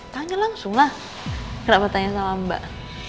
tanya langsung lah kenapa tanya sama mbak